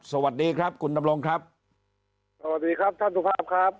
สวัสดีครับคุณดำรงครับสวัสดีครับท่านสุภาพครับ